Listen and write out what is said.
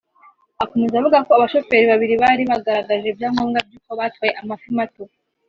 Akomeza avuga ko abashoferi babiri bari bagaragaje ibyangombwa by’uko batwaye amafi mato